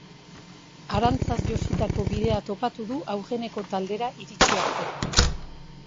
Arantzaz jositako bidea topatu du aurreneko taldera iritsi arte.